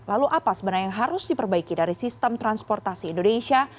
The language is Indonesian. lalu apa sebenarnya yang harus diperbaiki dari sistem transportasi indonesia